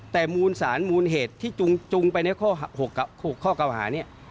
แต่มูลสารมูลเหตุที่จุงไปใน๖ข้อเก่าหานี้